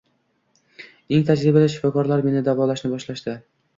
Eng tajribali shifokorlar meni davolashni boshlashdi